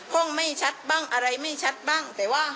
ห้องไม่ชัดบ้างอะไรไม่ชัดบ้าง